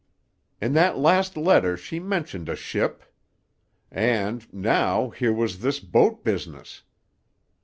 "In that last letter she mentioned a ship. And, now, here was this boat business.